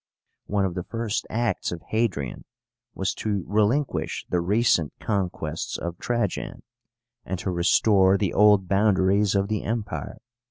One of the first acts of Hadrian was to relinquish the recent conquests of Trajan, and to restore the old boundaries of the Empire.